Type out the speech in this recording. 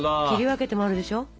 切り分けてもあるでしょ？